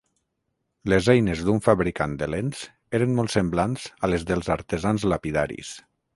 Les eines d'un fabricant de lents eren molt semblants a les dels artesans lapidaris.